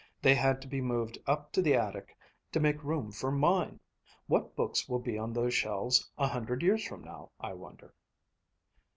They had to be moved up to the attic to make room for mine. What books will be on those shelves a hundred years from now, I wonder?"